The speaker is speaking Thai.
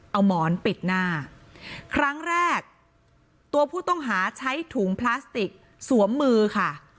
เอาหมอนปิดหน้าครั้งแรกตัวผู้ต้องหาใช้ถุงพลาสติกสวมมือค่ะ